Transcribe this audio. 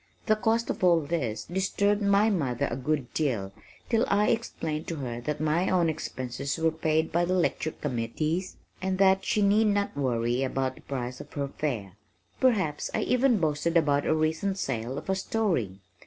The cost of all this disturbed my mother a good deal till I explained to her that my own expenses were paid by the lecture committees and that she need not worry about the price of her fare. Perhaps I even boasted about a recent sale of a story!